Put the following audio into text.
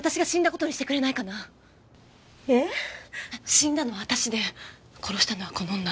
死んだのは私で殺したのはこの女。